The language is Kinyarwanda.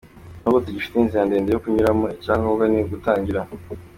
N’ubwo tugifite inzira ndende yo kunyuramo, icya ngombwa ni ugutangira.